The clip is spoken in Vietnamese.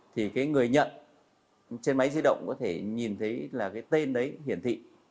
thì cái người nhận trên máy di động có thể nhìn thấy là cái tên đấy hiển thị